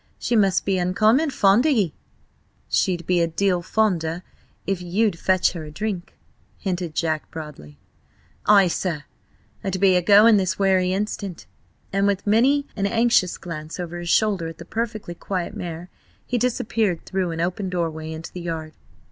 "She must be uncommon fond o' ye?" "She'd be a deal fonder of you if you'd fetch her a drink," hinted Jack broadly. "Ay, sir! I be a going this werry instant!" And with many an anxious glance over his shoulder at the perfectly quiet mare, he disappeared through an open doorway into the yard.